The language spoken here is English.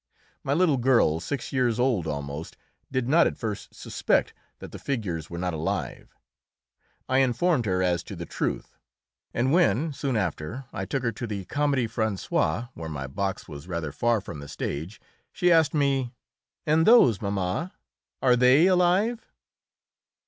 My little girl, six years old almost, did not at first suspect that the figures were not alive. I informed her as to the truth, and when, soon after, I took her to the Comédie Française, where my box was rather far from the stage, she asked me, "And those, mamma, are they alive?"